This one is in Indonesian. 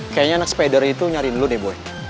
kayaknya anak spider itu nyariin lu deh boy